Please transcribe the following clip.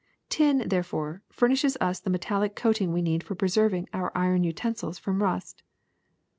Tin, therefore, furnishes us the metallic coat ing we need for preserving our iron utensils from rust.